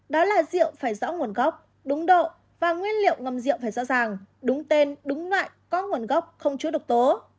đó là rượu phải rõ nguồn gốc đúng độ và nguyên liệu ngâm rượu phải rõ ràng đúng tên đúng loại có nguồn gốc không chứa độc tố